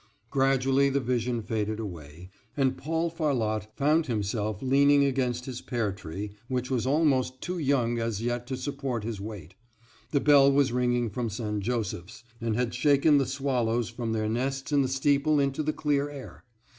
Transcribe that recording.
Gradually the vision faded away, and Paul Farlotte found himself leaning against his pear tree, which was almost too young as yet to support his weight. The bell was ringing from St. Joseph's, and had shaken the swallows from their nests in the steeple into the clear air.